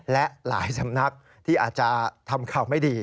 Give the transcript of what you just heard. และหลายสำนักที่อาจจะทำข่าวไม่ดี